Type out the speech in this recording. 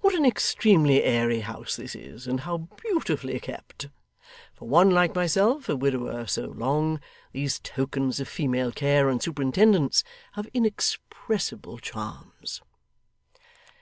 What an extremely airy house this is, and how beautifully kept! For one like myself a widower so long these tokens of female care and superintendence have inexpressible charms.